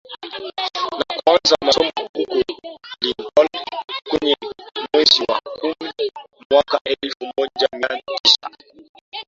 na kuanza masomo huko Lincoln kwenye mwezi wa kumi mwaka elfu moja mia tisa